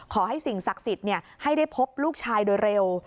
สิ่งศักดิ์สิทธิ์ให้ได้พบลูกชายโดยเร็ว